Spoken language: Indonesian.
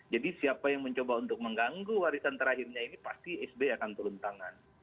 jadi siapa yang mencoba untuk mengganggu warisan terakhirnya ini pasti sby akan turun tangan